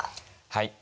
はい。